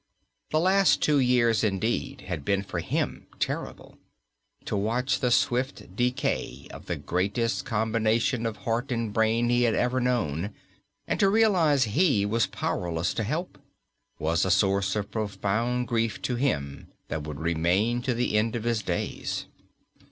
The last two years, indeed, had been for him terrible. To watch the swift decay of the greatest combination of heart and brain he had ever known, and to realize he was powerless to help, was a source of profound grief to him that would remain to the end of his days.